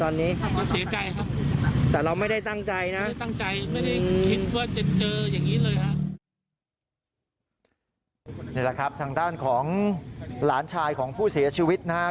นี่แหละครับทางด้านของหลานชายของผู้เสียชีวิตนะครับ